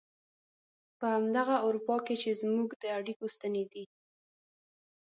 په همدغه اروپا کې چې زموږ د اړيکو ستنې دي.